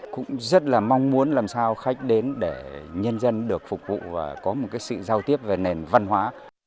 cũng rất là mong muốn làm sao khách đến để nhân dân được phục vụ và có một sự giao tiếp về nền văn hóa